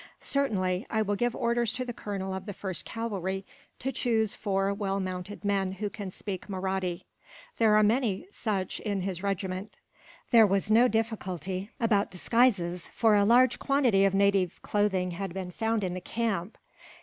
"Certainly. I will give orders to the colonel of the 1st Cavalry to choose four well mounted men, who can speak Mahratti. There are many such in his regiment." There was no difficulty about disguises, for a large quantity of native clothing had been found in the camp.